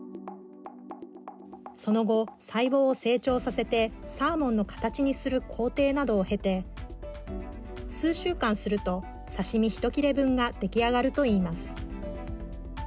その後、細胞を成長させてサーモンの形にする工程などを経て数週間すると刺身一切れ分が出来上がるといいます。